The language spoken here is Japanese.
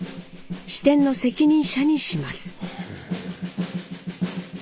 支店の責任者にします。